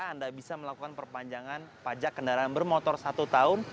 anda bisa melakukan perpanjangan pajak kendaraan bermotor satu tahun